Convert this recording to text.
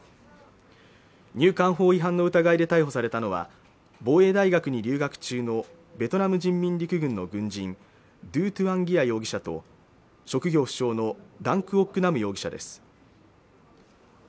入管法違反の疑いで逮捕されたのは防衛大学に留学中のベトナム人民陸軍の軍人ドー・トゥアン・ギア容疑者と職業不詳のダン・クオック・ナム容疑者です